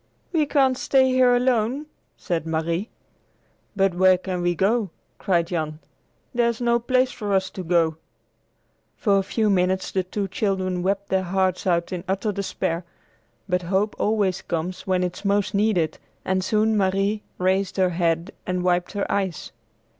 "We can't stay here alone!" said Marie. "But where can we go?" cried Jan. "There's no place for us to go to!" For a few minutes the two children wept their hearts out in utter despair, but hope always comes when it is most needed, and soon Marie raised her head and wiped her eyes.